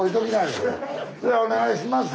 ではお願いします。